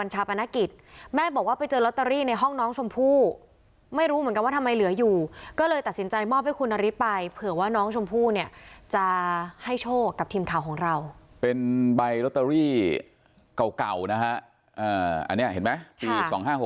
จะให้โชคกับทีมข่าวของเราเป็นใบล็อตเตอรี่เก่านะฮะอันนี้เห็นไหมปี๒๕๖๒